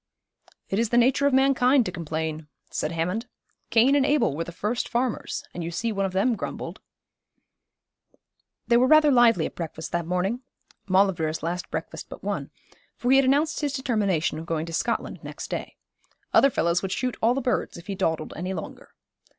'It is the nature of mankind to complain,' said Hammond. 'Cain and Abel were the first farmers, and you see one of them grumbled.' They were rather lively at breakfast that morning Maulevrier's last breakfast but one for he had announced his determination of going to Scotland next day. Other fellows would shoot all the birds if he dawdled any longer.